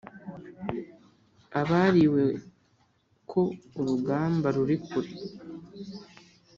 Abariwe ko urugamba ruri kure,